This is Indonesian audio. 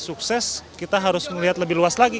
kalau dibilang sukses kita harus melihat lebih luas lagi